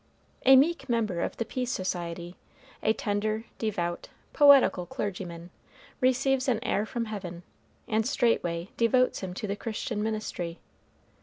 A meek member of the Peace Society, a tender, devout, poetical clergyman, receives an heir from heaven, and straightway devotes him to the Christian ministry.